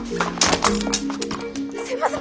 すいません！